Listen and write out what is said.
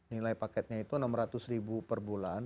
nilai paketnya itu rp enam ratus ribu per bulan